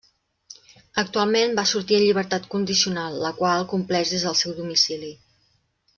Actualment va sortir en llibertat condicional la qual compleix des del seu domicili.